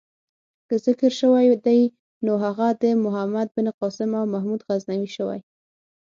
که ذکر شوی دی نو هغه د محمد بن قاسم او محمود غزنوي شوی.